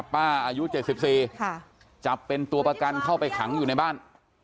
ป้าอายุเจ็ดสิบสี่ค่ะจับเป็นตัวประกันเข้าไปขังอยู่ในบ้าน